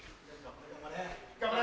・頑張れ！